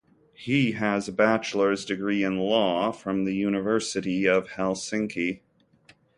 He has a bachelor's degree in law from the University of Helsinki.